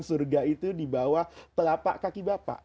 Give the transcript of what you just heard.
surga itu di bawah telapak kaki bapak